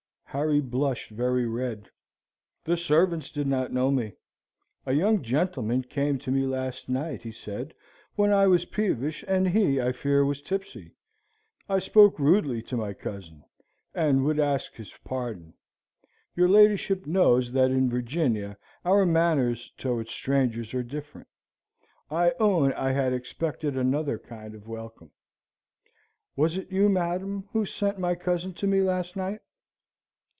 Harry blushed very red. "The servants did not know me. A young gentleman came to me last night," he said, "when I was peevish, and he, I fear, was tipsy. I spoke rudely to my cousin, and would ask his pardon. Your ladyship knows that in Virginia our manners towards strangers are different. I own I had expected another kind of welcome. Was it you, madam, who sent my cousin to me last night?"